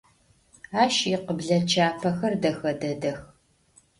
Aş yikhıble çapexer dexe dedex.